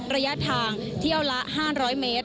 ระยะทางเที่ยวละ๕๐๐เมตร